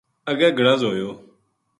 اگے گڑز ہویو